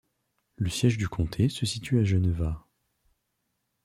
Le siège du comté se situe à Geneva.